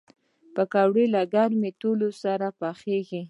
پکورې له ګرم تیلو سره پخېږي